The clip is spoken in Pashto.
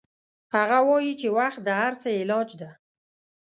هغه وایي چې وخت د هر څه علاج ده